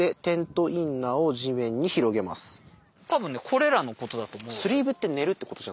多分ねこれらのことだと思う。